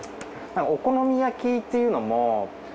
お好み焼きっていうのも。